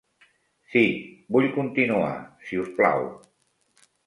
Sí, vull continuar, si us plau.